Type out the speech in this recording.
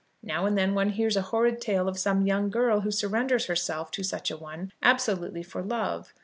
Now and then one hears a horrid tale of some young girl who surrenders herself to such a one, absolutely for love!